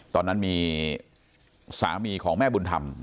ตอนนั้นมีสามีของแม่บุญธรรม